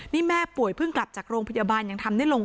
นี่แม่ป่วยเพิ่งกลับจากโรงพยาบาลยังทำได้ลง